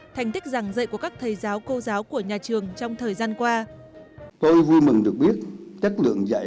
thành tích giảng dạy của các thầy giáo